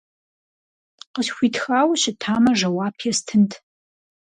Къысхуитхауэ щытамэ, жэуап естынт.